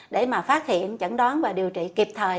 để mà phát hiện chẩn đoán và điều trị kịp thời